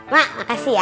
mak makasih ya